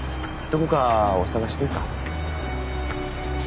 どこかお探しですか？